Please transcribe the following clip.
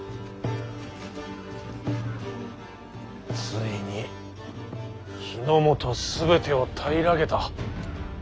ついに日本全てを平らげた。